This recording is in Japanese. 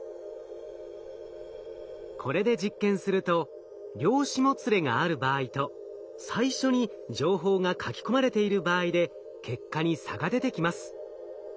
これで実験すると量子もつれがある場合と最初に情報が書き込まれている場合で結果に差が出てきます。